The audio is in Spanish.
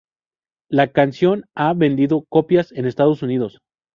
La canción ha vendido copias en Estados Unidos.